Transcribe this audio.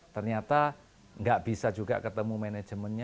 ternyata nggak bisa juga ketemu manajemennya